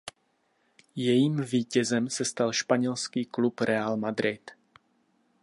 Jejím vítězem se stal španělský klub Real Madrid.